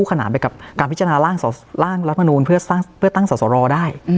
การยกเลือกส่อวอล